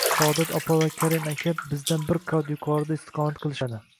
Saodat opa va Karim aka bizdan bir qavat yuqorida istiqomat qilishadi